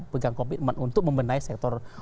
pegang komitmen untuk membenahi sektor